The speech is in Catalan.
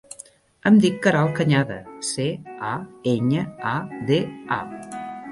Em dic Queralt Cañada: ce, a, enya, a, de, a.